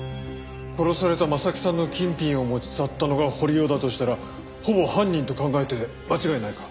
殺された征木さんの金品を持ち去ったのが堀尾だとしたらほぼ犯人と考えて間違いないか。